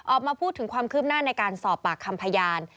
ออกมาพูดถึงความคืบหน้าในการสอบปากคำพยาน